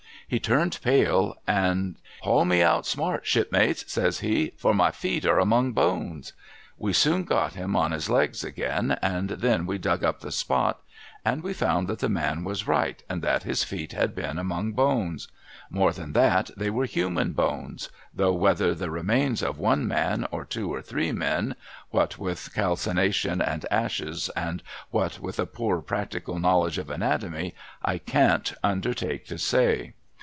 He turned pale, and " Haul me out smart, shipmates," says he, " for my feet are among bones." We soon got him on his legs again, and then we dug u\) the spot, and we found that the man was right, and that his feet had lieen among bones. More than that, they were human bones ; though whether the remains of one man, or of two or three men, what with calcination and ashes, and what with a i)Oor practical knowledge of anatomy, I can't undertake to say.